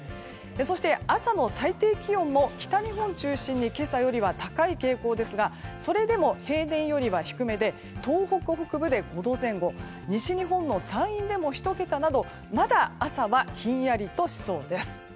そして、朝の最低気温も北日本中心に今朝より高い傾向ですがそれでも平年よりは低めで東北北部で５度前後西日本の山陰でも１桁などまだ朝はひんやりとしそうです。